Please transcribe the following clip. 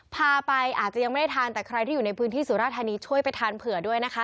พาไปอาจจะยังไม่ได้ทานแต่ใครที่อยู่ในพื้นที่สุราธานีช่วยไปทานเผื่อด้วยนะคะ